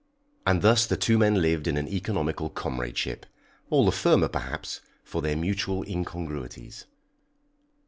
And thus the two men lived in an economical comradeship, all the firmer, perhaps, for their mutual incongruities.